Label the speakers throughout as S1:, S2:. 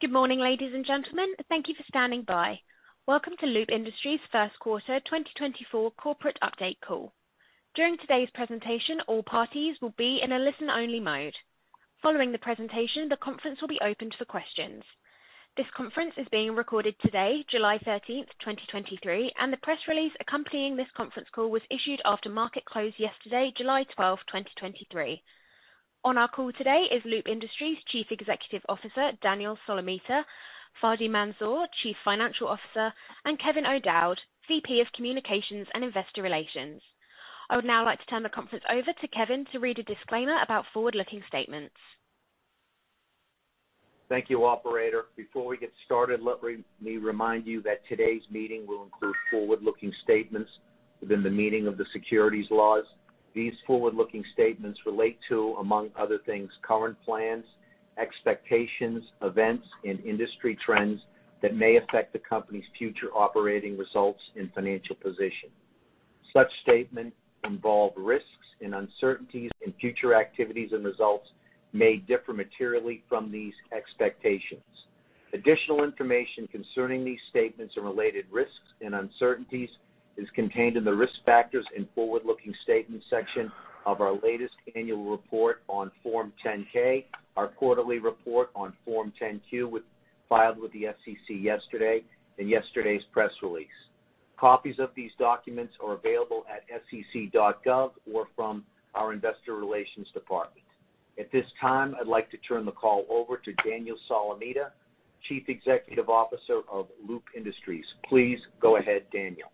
S1: Good morning, ladies and gentlemen. Thank you for standing by. Welcome to Loop Industries' first quarter 2024 corporate update call. During today's presentation, all parties will be in a listen-only mode. Following the presentation, the conference will be opened for questions. This conference is being recorded today, July 13th, 2023, and the press release accompanying this conference call was issued after market close yesterday, July 12th, 2023. On our call today is Loop Industries' Chief Executive Officer, Daniel Solomita, Fady Mansour, Chief Financial Officer, and Kevin O'Dowd, VP of Communications and Investor Relations. I would now like to turn the conference over to Kevin to read a disclaimer about forward-looking statements.
S2: Thank you, operator. Before we get started, let me remind you that today's meeting will include forward-looking statements within the meaning of the securities laws. These forward-looking statements relate to, among other things, current plans, expectations, events, and industry trends that may affect the company's future operating results and financial position. Such statements involve risks and uncertainties, and future activities and results may differ materially from these expectations. Additional information concerning these statements and related risks and uncertainties is contained in the Risk Factors and Forward-Looking Statements section of our latest annual report on Form 10-K, our quarterly report on Form 10-Q, which was filed with the SEC yesterday, and yesterday's press release. Copies of these documents are available at sec.gov or from our investor relations department. At this time, I'd like to turn the call over to Daniel Solomita, Chief Executive Officer of Loop Industries. Please go ahead, Daniel.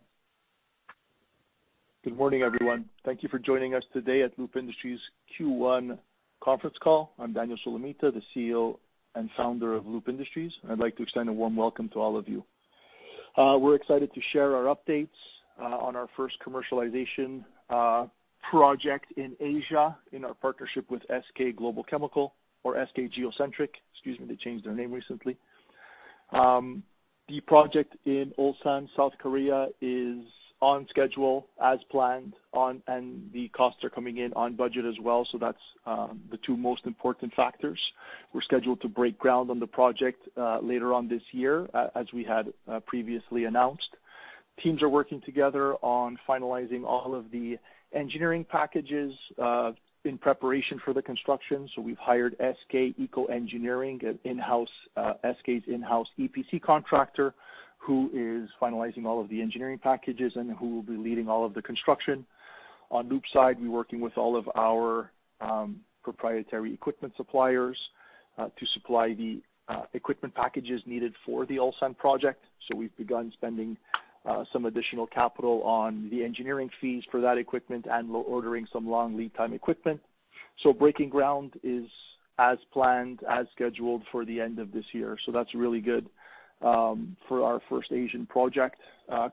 S3: Good morning, everyone. Thank you for joining us today at Loop Industries' Q1 conference call. I'm Daniel Solomita, the CEO and Founder of Loop Industries. I'd like to extend a warm welcome to all of you. We're excited to share our updates, on our first commercialization, project in Asia in our partnership with SK Global Chemical or SK Geo Centric. Excuse me, they changed their name recently. The project in Ulsan, South Korea, is on schedule as planned, and the costs are coming in on budget as well, so that's, the two most important factors. We're scheduled to break ground on the project, later on this year, as we had previously announced. Teams are working together on finalizing all of the engineering packages, in preparation for the construction. We've hired SK ecoengineering, an in-house, SK's in-house EPC contractor, who is finalizing all of the engineering packages and who will be leading all of the construction. On Loop side, we're working with all of our proprietary equipment suppliers to supply the equipment packages needed for the Ulsan project. We've begun spending some additional capital on the engineering fees for that equipment and we're ordering some long lead time equipment. Breaking ground is as planned, as scheduled for the end of this year. That's really good for our first Asian project.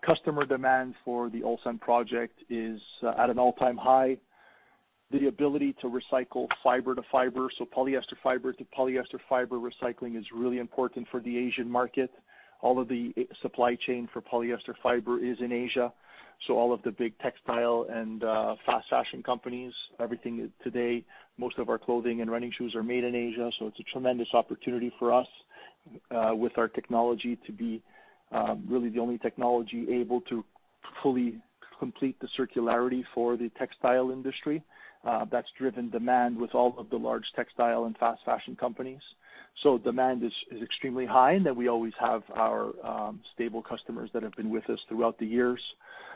S3: Customer demand for the Ulsan project is at an all-time high. The ability to recycle fiber to fiber, so polyester fiber to polyester fiber recycling, is really important for the Asian market. All of the supply chain for polyester fiber is in Asia. All of the big textile and fast fashion companies, everything today, most of our clothing and running shoes are made in Asia, so it's a tremendous opportunity for us with our technology to be really the only technology able to fully complete the circularity for the textile industry. That's driven demand with all of the large textile and fast fashion companies. Demand is extremely high, and then we always have our stable customers that have been with us throughout the years.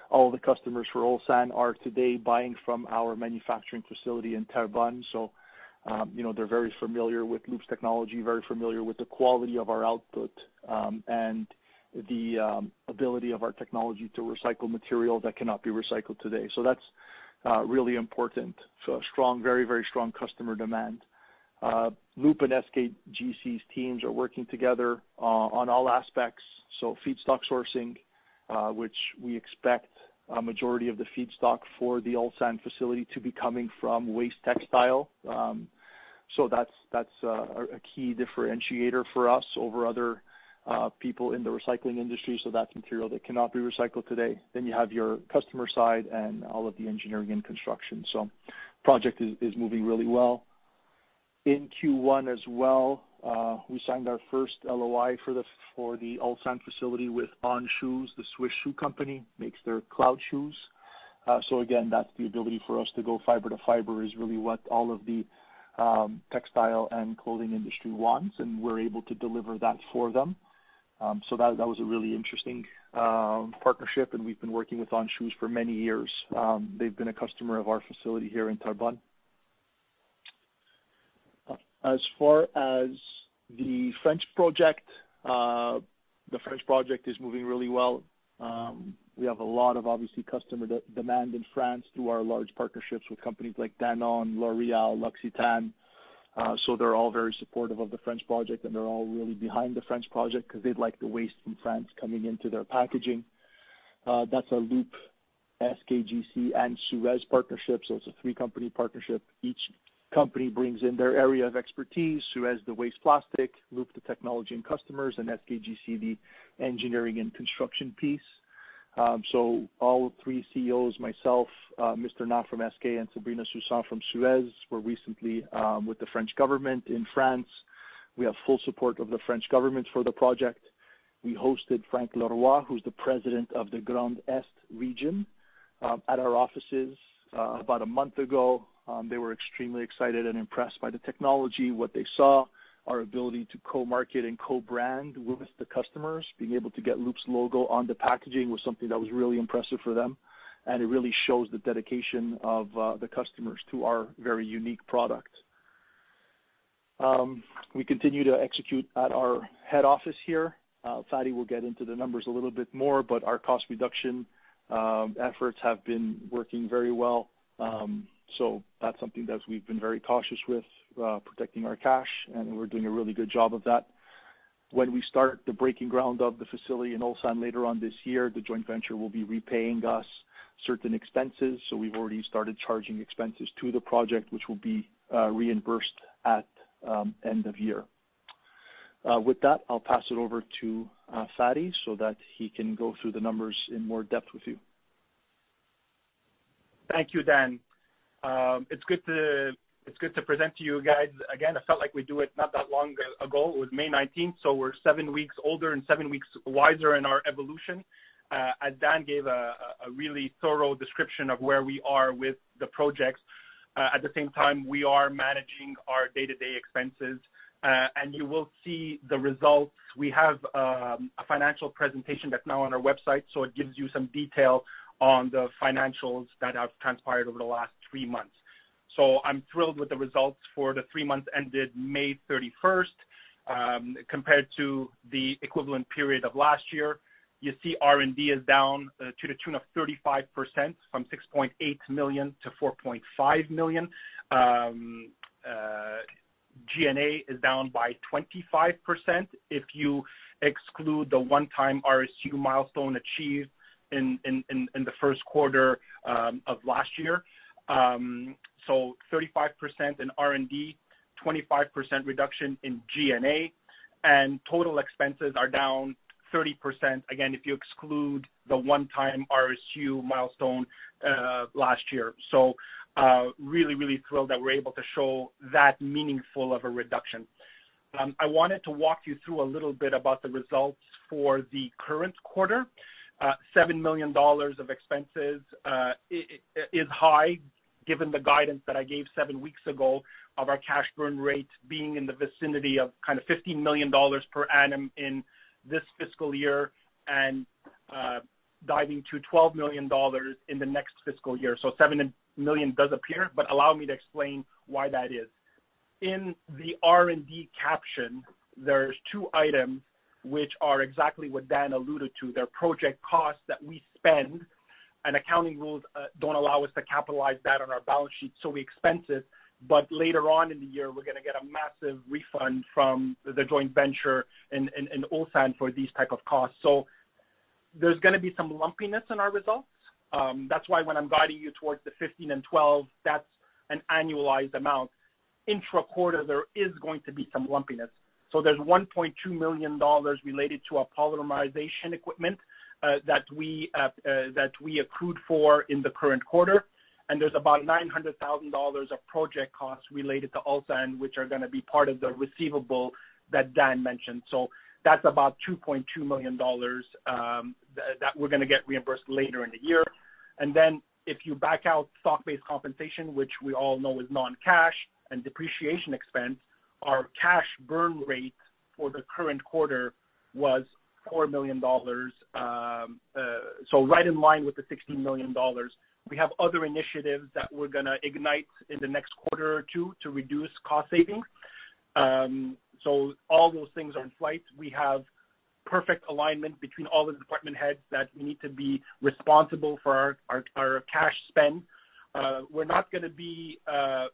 S3: All the customers for Ulsan are today buying from our manufacturing facility in Terrebonne. You know, they're very familiar with Loop's technology, very familiar with the quality of our output, and the ability of our technology to recycle material that cannot be recycled today. That's really important. A strong, very, very strong customer demand. Loop and SKGC's teams are working together on all aspects: feedstock sourcing, which we expect a majority of the feedstock for the Ulsan facility to be coming from waste textile. That's a key differentiator for us over other people in the recycling industry, that's material that cannot be recycled today. You have your customer side and all of the engineering and construction. Project is moving really well. In Q1 as well, we signed our first LOI for the Ulsan facility with On Shoes, the Swiss shoe company, makes their Cloud shoes. Again, that's the ability for us to go fiber to fiber is really what all of the textile and clothing industry wants, and we're able to deliver that for them. That was a really interesting partnership, and we've been working with On Shoes for many years. They've been a customer of our facility here in Terrebonne. As far as the French project, the French project is moving really well. We have a lot of, obviously, customer demand in France through our large partnerships with companies like Danone, L'Oréal, L'Occitane. They're all very supportive of the French project, and they're all really behind the French project because they'd like the waste from France coming into their packaging. That's a Loop, SKGC, and SUEZ partnership, so it's a three-company partnership. Each company brings in their area of expertise. SUEZ, the waste plastic, Loop, the technology and customers, and SKGC, the engineering and construction piece. All three CEOs, myself, Mr. Na from SK, and Sabrina Soussan from SUEZ, were recently with the French government in France. We have full support of the French government for the project. We hosted Franck Leroy, who's the president of the Grand Est region, at our offices about a month ago. They were extremely excited and impressed by the technology, what they saw, our ability to co-market and co-brand with the customers. Being able to get Loop's logo on the packaging was something that was really impressive for them. It really shows the dedication of the customers to our very unique product. We continue to execute at our head office here. Fady will get into the numbers a little bit more. Our cost reduction efforts have been working very well. That's something that we've been very cautious with protecting our cash, and we're doing a really good job of that. When we start the breaking ground of the facility in Ulsan later on this year, the joint venture will be repaying us certain expenses. We've already started charging expenses to the project, which will be reimbursed at end of year. With that, I'll pass it over to Fady, that he can go through the numbers in more depth with you.
S4: Thank you, Dan. It's good to present to you guys. Again, I felt like we do it not that long ago. It was May 19th, we're seven weeks older and seven weeks wiser in our evolution. As Dan gave a really thorough description of where we are with the projects, at the same time, we are managing our day-to-day expenses. You will see the results. We have a financial presentation that's now on our website, it gives you some detail on the financials that have transpired over the last three months. I'm thrilled with the results for the three months ended May 31st. Compared to the equivalent period of last year, you see R&D is down to the tune of 35%, from $6.8 million to $4.5 million. G&A is down by 25%, if you exclude the one-time RSU milestone achieved in the first quarter of last year. 35% in R&D, 25% reduction in G&A, and total expenses are down 30%, again, if you exclude the one-time RSU milestone last year. Really thrilled that we're able to show that meaningful of a reduction. I wanted to walk you through a little bit about the results for the current quarter. $7 million of expenses is high, given the guidance that I gave seven weeks ago of our cash burn rate being in the vicinity of kind of $15 million per annum in this fiscal year, and diving to $12 million in the next fiscal year. $7 million does appear, but allow me to explain why that is. In the R&D caption, there's two items which are exactly what Dan alluded to. They're project costs that we spend, and accounting rules don't allow us to capitalize that on our balance sheet, so we expense it, but later on in the year, we're gonna get a massive refund from the joint venture in Ulsan for these type of costs. There's gonna be some lumpiness in our results. That's why when I'm guiding you towards the $15 million and $12 million, that's an annualized amount. Intra-quarter, there is going to be some lumpiness. There's $1.2 million related to our polymerization equipment that we accrued for in the current quarter. There's about $900,000 of project costs related to Ulsan, which are gonna be part of the receivable that Dan mentioned. That's about $2.2 million, that we're gonna get reimbursed later in the year. Then, if you back out stock-based compensation, which we all know is non-cash and depreciation expense, our cash burn rate for the current quarter was $4 million, so right in line with the $16 million. We have other initiatives that we're gonna ignite in the next quarter or two to reduce cost savings. All those things are in flight. We have perfect alignment between all the department heads that we need to be responsible for our, our cash spend. We're not gonna be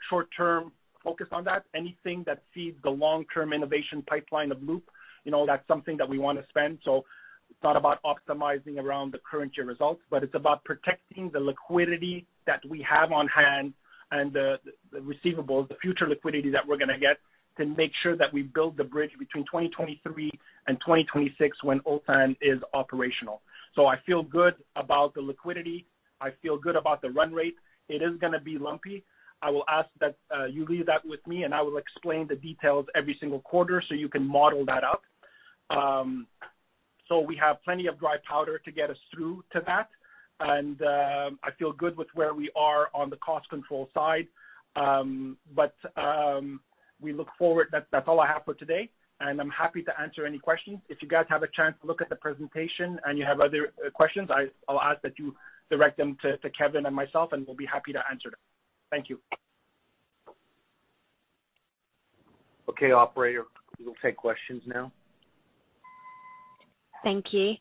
S4: short-term focused on that. Anything that feeds the long-term innovation pipeline of Loop, you know, that's something that we wanna spend. It's not about optimizing around the current year results, but it's about protecting the liquidity that we have on hand and the receivables, the future liquidity that we're gonna get, to make sure that we build the bridge between 2023 and 2026, when Ulsan is operational. I feel good about the liquidity. I feel good about the run rate. It is gonna be lumpy. I will ask that you leave that with me, and I will explain the details every single quarter, so you can model that out. We have plenty of dry powder to get us through to that, and I feel good with where we are on the cost control side. We look forward, that's all I have for today, and I'm happy to answer any questions. If you guys have a chance to look at the presentation and you have other questions, I'll ask that you direct them to Kevin and myself, and we'll be happy to answer them. Thank you.
S2: Okay, operator. We will take questions now.
S1: Thank you.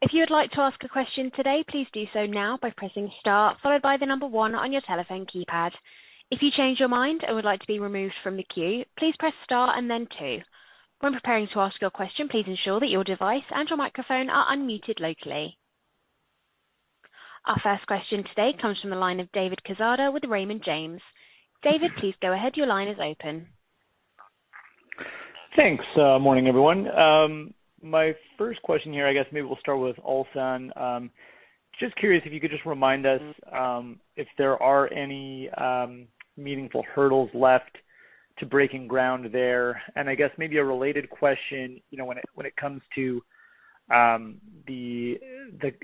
S1: If you would like to ask a question today, please do so now by pressing star, followed by the number one on your telephone keypad. If you change your mind and would like to be removed from the queue, please press star and then two. When preparing to ask your question, please ensure that your device and your microphone are unmuted locally. Our first question today comes from the line of David Quezada with Raymond James. David, please go ahead. Your line is open.
S5: Thanks. Morning, everyone. My first question here, I guess maybe we'll start with Ulsan. Just curious if you could just remind us if there are any meaningful hurdles left to breaking ground there? I guess maybe a related question, you know, when it comes to the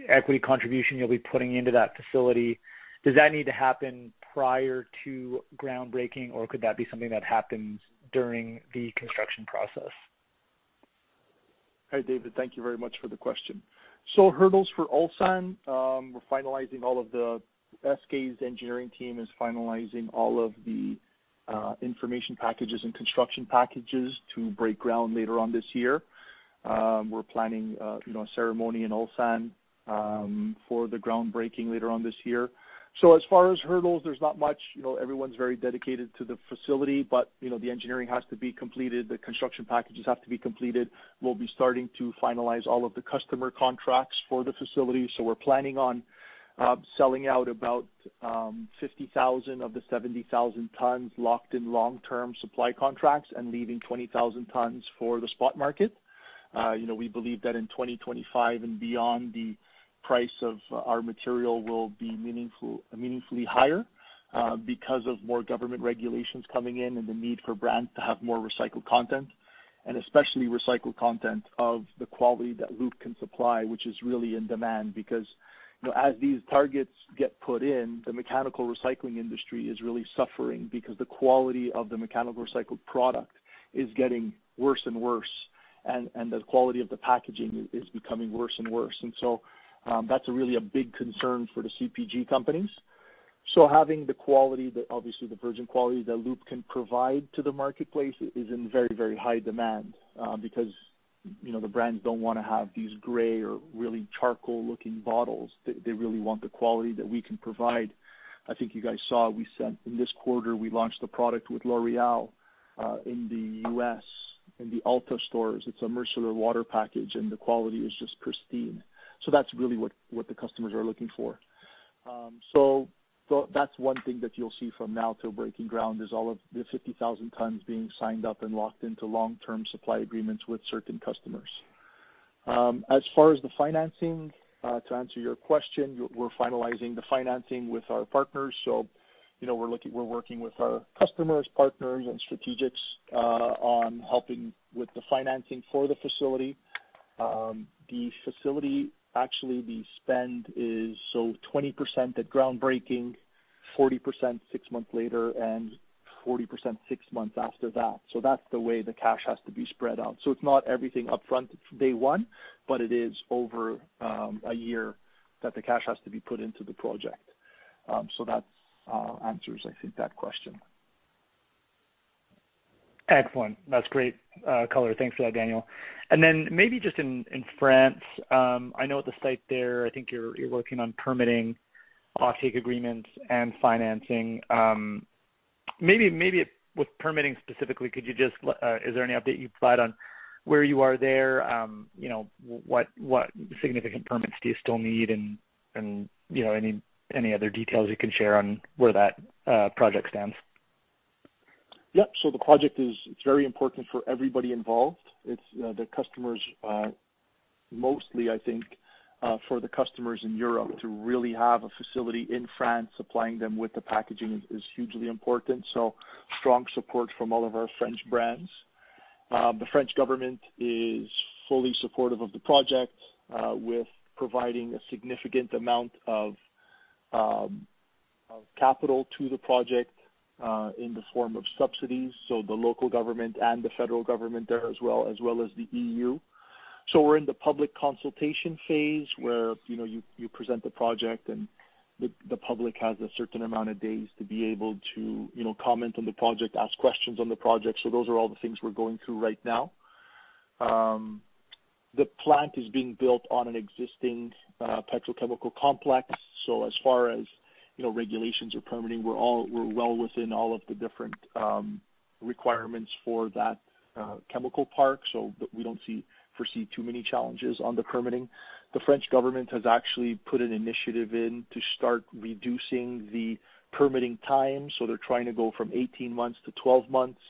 S5: equity contribution you'll be putting into that facility, does that need to happen prior to groundbreaking, or could that be something that happens during the construction process?
S3: Hi, David. Thank you very much for the question. Hurdles for Ulsan, we're finalizing all of the, SK's engineering team is finalizing all of the information packages and construction packages to break ground later on this year. We're planning, you know, a ceremony in Ulsan for the groundbreaking later on this year. As far as hurdles, there's not much. You know, everyone's very dedicated to the facility, but, you know, the engineering has to be completed, the construction packages have to be completed. We'll be starting to finalize all of the customer contracts for the facility. We're planning on selling out about 50,000 of the 70,000 tons locked in long-term supply contracts and leaving 20,000 tons for the spot market. You know, we believe that in 2025 and beyond, the price of our material will be meaningfully higher, because of more government regulations coming in and the need for brands to have more recycled content, and especially recycled content of the quality that Loop can supply, which is really in demand. Because, you know, as these targets get put in, the mechanical recycling industry is really suffering because the quality of the mechanical recycled product is getting worse and worse, and the quality of the packaging is becoming worse and worse. That's really a big concern for the CPG companies. So having the quality that, obviously, the virgin quality that Loop can provide to the marketplace is in very, very high demand, because, you know, the brands don't want to have these gray or really charcoal-looking bottles. They really want the quality that we can provide. I think you guys saw, we sent, in this quarter, we launched a product with L'Oréal in the U.S., in the Ulta stores. It's a micellar water package, and the quality is just pristine. That's really what the customers are looking for. That's one thing that you'll see from now till breaking ground, is all of the 50,000 tons being signed up and locked into long-term supply agreements with certain customers. As far as the financing, to answer your question, we're finalizing the financing with our partners. You know, we're working with our customers, partners, and strategics on helping with the financing for the facility. The facility, actually, the spend is so 20% at groundbreaking, 40% six months later, and 40% six months after that. That's the way the cash has to be spread out. It's not everything upfront, day one, but it is over one year that the cash has to be put into the project. That answers, I think, that question.
S5: Excellent. That's great color. Thanks for that, Daniel. Maybe just in France, I know at the site there, I think you're working on permitting, offtake agreements, and financing. Maybe with permitting specifically, could you just, is there any update you can provide on where you are there? You know, what significant permits do you still need, and, you know, any other details you can share on where that project stands?
S3: Yep. The project is very important for everybody involved. It's, the customers, mostly, I think, for the customers in Europe to really have a facility in France, supplying them with the packaging is hugely important, so strong support from all of our French brands. The French government is fully supportive of the project, with providing a significant amount of capital to the project, in the form of subsidies, so the local government and the federal government there as well, as well as the EU. We're in the public consultation phase, where, you know, you present the project and the public has a certain amount of days to be able to, you know, comment on the project, ask questions on the project. Those are all the things we're going through right now. The plant is being built on an existing petrochemical complex, so as far as, you know, regulations or permitting, we're well within all of the different requirements for that chemical park. We don't foresee too many challenges on the permitting. The French government has actually put an initiative in to start reducing the permitting time, so they're trying to go from 18 months to 12 months.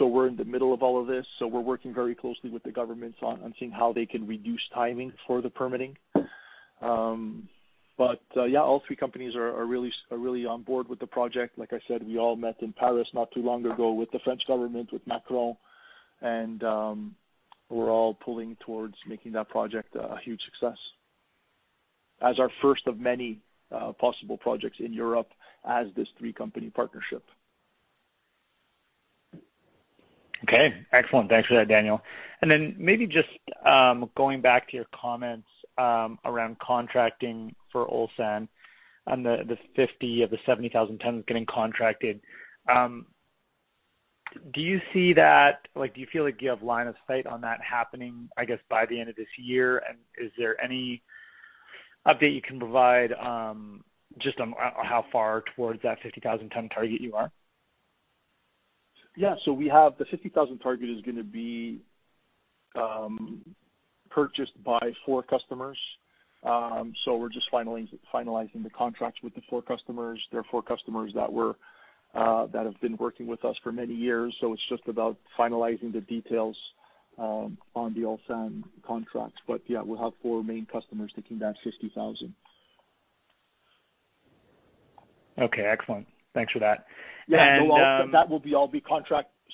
S3: We're in the middle of all of this, so we're working very closely with the government on seeing how they can reduce timing for the permitting. All three companies are really on board with the project. Like I said, we all met in Paris not too long ago with the French government with Macron, and, we're all pulling towards making that project a huge success, as our first of many, possible projects in Europe as this three-company partnership.
S5: Okay, excellent. Thanks for that, Daniel. Maybe just, going back to your comments, around contracting for Ulsan on the 50,000 of the 70,000 tons getting contracted. Do you feel like you have line of sight on that happening, I guess, by the end of this year? Is there any update you can provide, just on how far towards that 50,000 ton target you are?
S3: We have, the 50,000 target is gonna be purchased by four customers. We're just finally finalizing the contracts with the four customers. They're four customers that were, that have been working with us for many years, so it's just about finalizing the details on the Ulsan contracts. Yeah, we'll have four main customers taking that 50,000.
S5: Okay, excellent. Thanks for that.
S3: Yeah,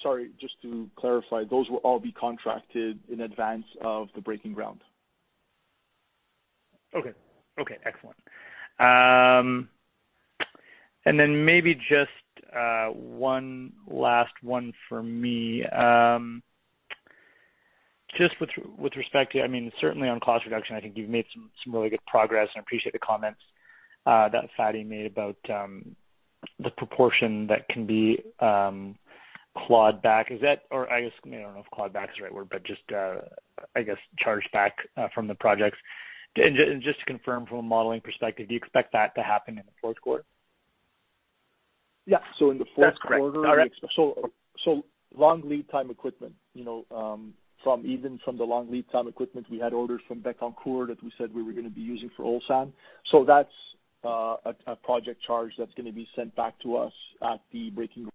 S3: Sorry, just to clarify, those will all be contracted in advance of the breaking ground.
S5: Okay. Okay, excellent. Maybe just one last one for me. Just with respect to, I mean, certainly on cost reduction, I think you've made some really good progress, and I appreciate the comments that Fady made about the proportion that can be clawed back. Is that or I guess, I don't know if clawed back is the right word, but just I guess charged back from the projects? Just to confirm from a modeling perspective, do you expect that to happen in the fourth quarter?
S3: Yeah, in the fourth quarter.
S4: That's correct.
S5: Got it.
S3: So, long lead time equipment, you know, even from the long lead time equipment, we had orders from Becton Dickinson that we said we were gonna be using for Ulsan. That's a project charge that's gonna be sent back to us at the breaking ground.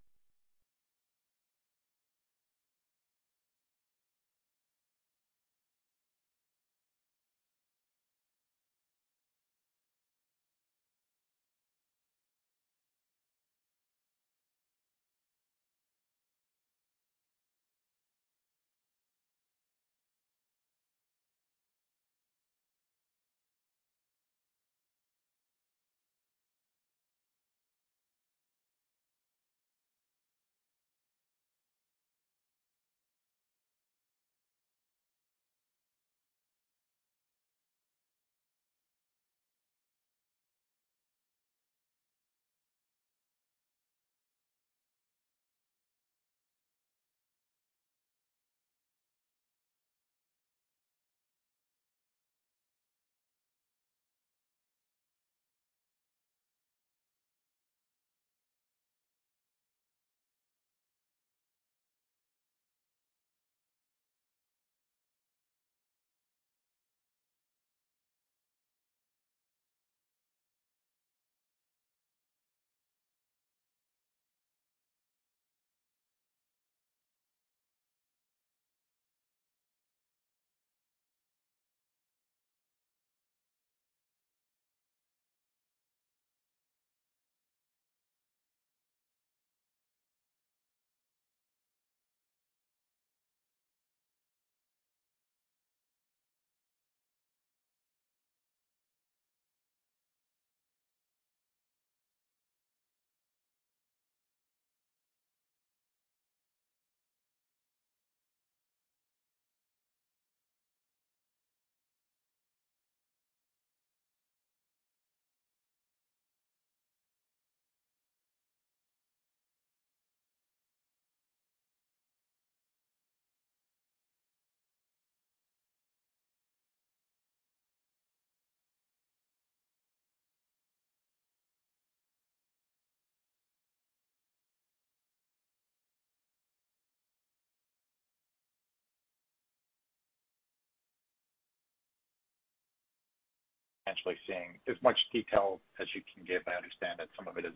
S6: Actually, seeing as much detail as you can give, I understand that some of it is,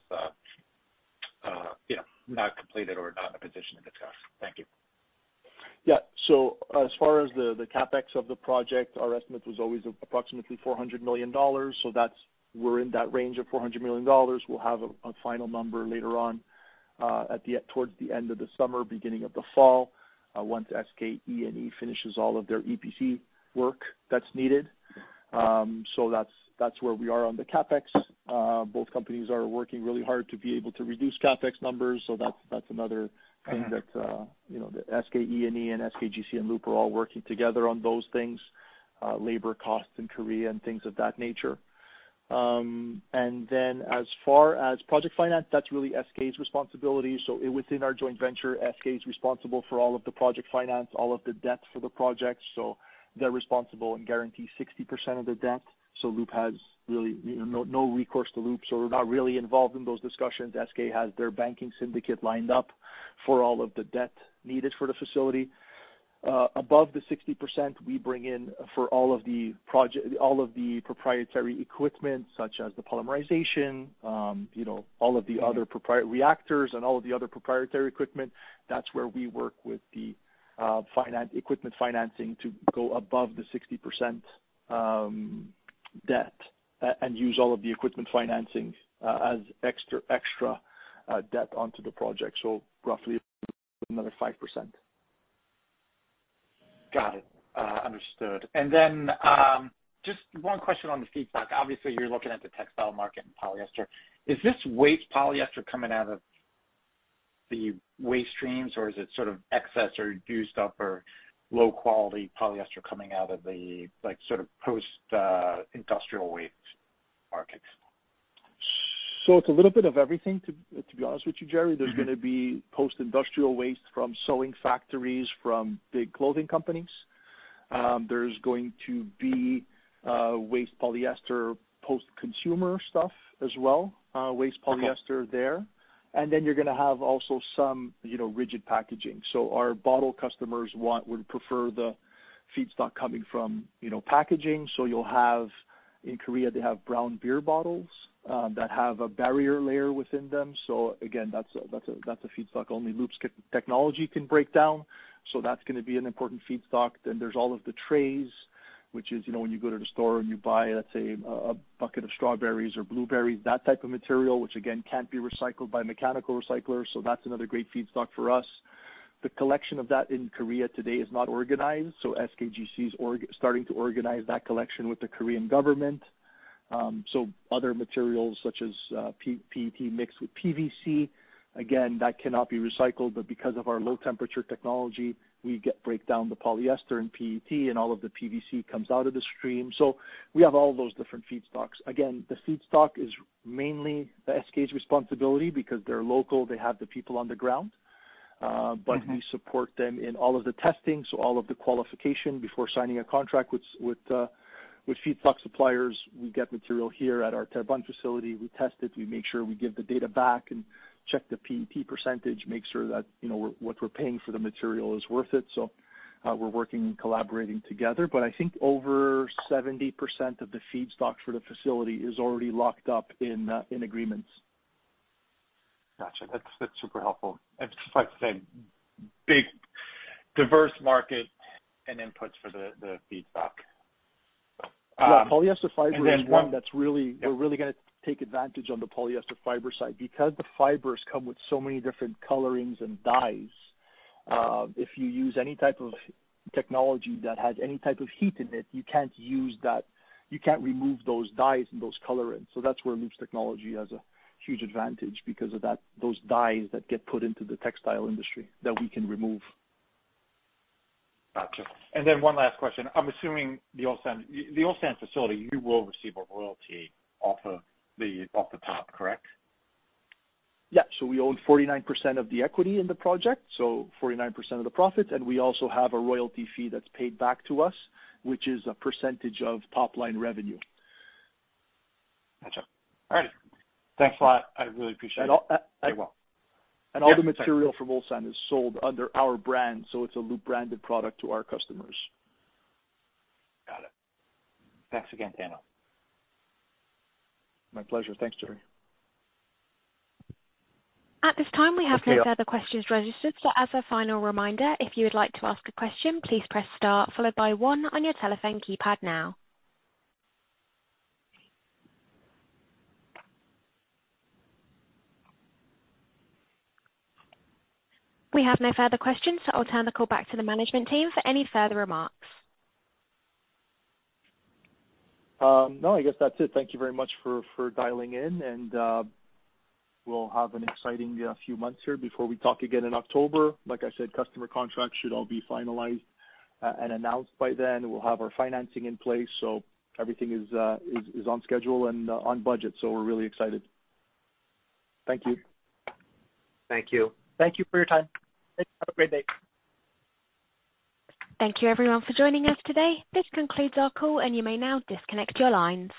S6: you know, not completed or not in a position to discuss. Thank you.
S3: Yeah. As far as the CapEx of the project, our estimate was always approximately $400 million. We're in that range of $400 million. We'll have a final number later on towards the end of the summer, beginning of the fall, once SK ecoengineering finishes all of their EPC work that's needed. That's where we are on the CapEx. Both companies are working really hard to be able to reduce CapEx numbers, so that's another thing that, you know, the SK ecoengineering and SK Geo Centric and Loop are all working together on those things, labor costs in Korea and things of that nature. As far as project finance, that's really SK's responsibility. Within our joint venture, SK is responsible for all of the project finance, all of the debt for the project. They're responsible and guarantee 60% of the debt. Loop has really, you know, no recourse to Loop, so we're not really involved in those discussions. SK has their banking syndicate lined up for all of the debt needed for the facility. Above the 60%, we bring in for all of the project, all of the proprietary equipment such as the polymerization, you know, all of the other proprietary reactors and all of the other proprietary equipment, that's where we work with the finance, equipment financing to go above the 60% debt, and use all of the equipment financing as extra debt onto the project. Roughly another 5%.
S6: Got it. Understood. Just one question on the feedback. Obviously, you're looking at the textile market and polyester. Is this waste polyester coming out of the waste streams, or is it sort of excess or reduced up or low-quality polyester coming out of the, like, sort of post, industrial waste markets?
S3: It's a little bit of everything, to be honest with you, Gerry.
S6: Mm-hmm.
S3: There's gonna be post-industrial waste from sewing factories, from big clothing companies. There's going to be, waste polyester post-consumer stuff as well, waste polyester there.
S6: Okay.
S3: Then you're gonna have also some, you know, rigid packaging. Our bottle customers would prefer the feedstock coming from, you know, packaging. You'll have, in Korea, they have brown beer bottles that have a barrier layer within them. Again, that's a feedstock only Loop's technology can break down. That's gonna be an important feedstock. There's all of the trays, which is, you know, when you go to the store and you buy, let say, a bucket of strawberries or blueberries, that type of material, which again, can't be recycled by mechanical recyclers, so that's another great feedstock for us. The collection of that in Korea today is not organized, so SKGC's starting to organize that collection with the Korean government. Other materials such as PET mixed with PVC, again, that cannot be recycled, but because of our low-temperature technology, we break down the polyester and PET, and all of the PVC comes out of the stream. We have all those different feedstocks. Again, the feedstock is mainly the SK's responsibility because they're local, they have the people on the ground.
S6: Mm-hmm.
S3: We support them in all of the testing, so all of the qualification before signing a contract with feedstock suppliers. We get material here at our Terrebonne facility. We test it, we make sure we give the data back and check the PET percentage, make sure that, you know, we're, what we're paying for the material is worth it. We're working and collaborating together. I think over 70% of the feedstock for the facility is already locked up in agreements.
S6: Gotcha. That's super helpful. Just like I said, big, diverse market and inputs for the feedstock.
S3: Yeah, polyester fiber. And then one is one that's really.
S6: Yeah.
S3: We're really gonna take advantage on the polyester fiber side. The fibers come with so many different colorings and dyes, if you use any type of technology that has any type of heat in it, you can't use that. You can't remove those dyes and those colorings. That's where Loop's technology has a huge advantage because of that, those dyes that get put into the textile industry that we can remove.
S6: Gotcha. Then one last question. I'm assuming the Ulsan facility, you will receive a royalty off the top, correct?
S3: Yeah. We own 49% of the equity in the project, so 49% of the profits, and we also have a royalty fee that's paid back to us, which is a percentage of top-line revenue.
S6: Gotcha. All right. Thanks a lot. I really appreciate it.
S3: All the material from Ulsan is sold under our brand, so it's a Loop-branded product to our customers.
S6: Got it. Thanks again, Daniel.
S3: My pleasure. Thanks, Gerry.
S1: At this time.
S6: Thank you.
S1: No further questions registered. As a final reminder, if you would like to ask a question, please press star followed by one on your telephone keypad now. We have no further questions. I'll turn the call back to the management team for any further remarks.
S3: No, I guess that's it. Thank you very much for dialing in. We'll have an exciting few months here before we talk again in October. Like I said, customer contracts should all be finalized and announced by then. We'll have our financing in place. Everything is on schedule and on budget, so we're really excited. Thank you.
S4: Thank you.
S2: Thank you for your time. Thanks, have a great day.
S1: Thank you everyone for joining us today. This concludes our call. You may now disconnect your lines.